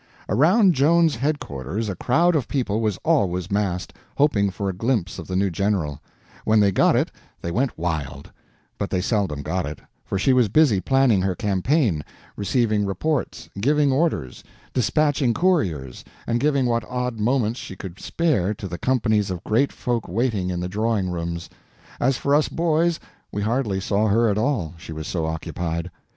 Around Joan's headquarters a crowd of people was always massed, hoping for a glimpse of the new General, and when they got it, they went wild; but they seldom got it, for she was busy planning her campaign, receiving reports, giving orders, despatching couriers, and giving what odd moments she could spare to the companies of great folk waiting in the drawing rooms. As for us boys, we hardly saw her at all, she was so occupied.